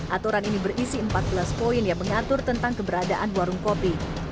aturan ini berisi empat belas poin yang mengatur tentang keberadaan warung kopi